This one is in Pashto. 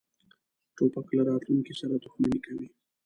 توپک له راتلونکې سره دښمني کوي.